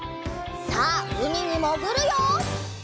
さあうみにもぐるよ！